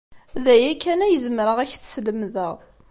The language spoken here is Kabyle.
D aya kan ay zemreɣ ad ak-t-slemdeɣ.